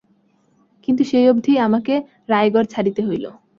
কিন্তু সেই অবধি আমাকে রায়গড় ছাড়িতে হইল।